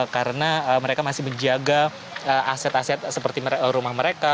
karena mereka masih menjaga aset aset seperti rumah mereka